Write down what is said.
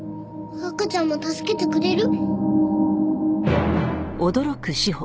赤ちゃんも助けてくれる？